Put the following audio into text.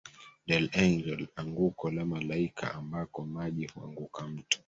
del Angel anguko la malaikaambako maji huanguka Mto